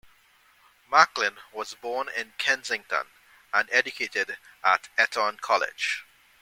Macklin was born in Kensington, and educated at Eton College.